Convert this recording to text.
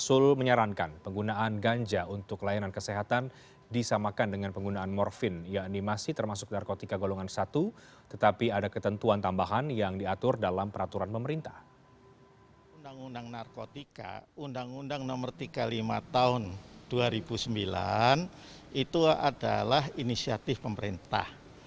undang undang nomor tiga puluh lima tahun dua ribu sembilan itu adalah inisiatif pemerintah